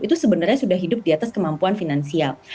itu sebenarnya sudah hidup di atas kemampuan finansial